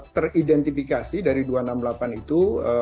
teridentifikasi dari dua ratus enam puluh delapan itu satu ratus dua puluh dua